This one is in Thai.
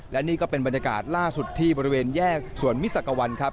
และนี่ก็เป็นบรรยากาศล่าสุดที่บริเวณแยกสวนมิสักวันครับ